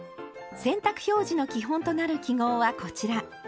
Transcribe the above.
洗濯表示の基本となる記号はこちら。